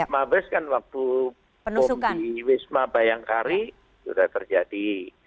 mabes kan waktu bom di wisma bayangkari sudah terjadi